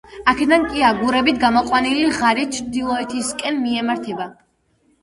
აქედან კი აგურებით გამოყვანილი ღარით ჩრდილოეთისკენ მიემართება.